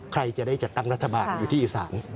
ใครจะได้จัดตั้งรัฐบาลอยู่ที่อีสาน